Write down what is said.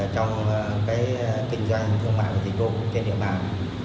trong kinh doanh thương mại và dịch vụ trên địa bàn